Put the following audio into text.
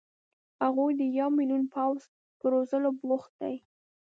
هغوی د یو ملیون پوځ په روزلو بوخت دي.